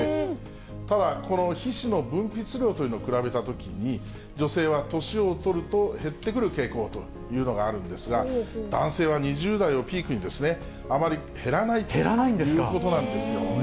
ただ、この皮脂の分泌量というのを比べたときに、女性は年を取ると減ってくる傾向というのがあるんですが、男性は２０代をピークにですね、あまり減らないということなんですよ。